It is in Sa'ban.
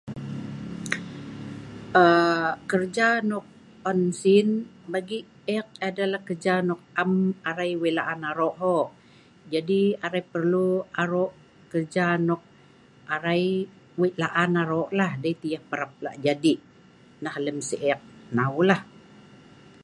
Aa…Kerja nok un nsin bagi eek adalah kerja nok am arai wei laan aroq hoq. Jadi arai perlu aroq kerja nok arai wei laan aroq lah dei tah yeh parap lak jadi. Nah lem si’ eek hnaeu lah